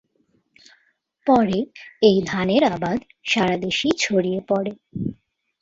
পরে এই ধানের আবাদ সারা দেশেই ছড়িয়ে পড়ে।